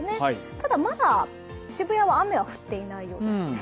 ただ、まだ渋谷は雨は降っていないようですね。